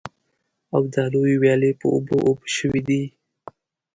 او د لویې ويالې په اوبو اوبه شوي دي.